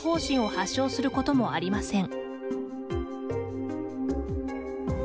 発症することもありません。